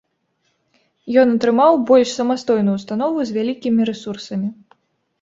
Ён атрымаў больш самастойную ўстанову з вялікімі рэсурсамі.